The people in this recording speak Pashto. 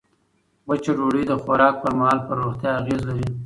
وچه ډوډۍ د خوراک پر مهال پر روغتیا اغېز لري.